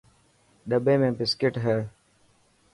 ڏٻي ۾ بسڪٽ هي.